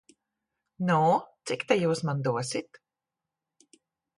Nu, cik ta jūs man dosit?